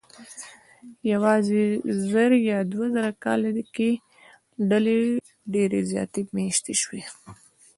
یواځې زر یا دوه زره کاله کې ډلې ډېرې زیاتې مېشتې شوې.